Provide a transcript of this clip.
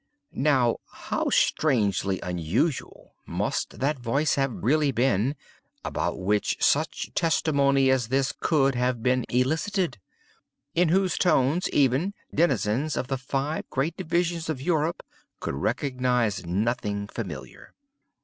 Now, how strangely unusual must that voice have really been, about which such testimony as this could have been elicited!—in whose tones, even, denizens of the five great divisions of Europe could recognise nothing familiar!